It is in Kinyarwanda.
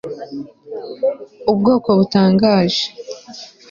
Ubwoko butangaje